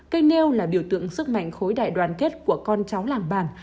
cây nêu là biểu tượng sức mạnh khối đại đoàn kết của con cháu làng bàn